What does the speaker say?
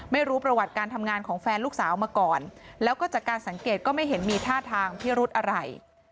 ไม่รู้ประวัติการทำงานของแฟนลูกสาวมาก่อนแล้วก็จากการสังเกตก็ไม่เห็นมีท่าทางพิรุธอะไร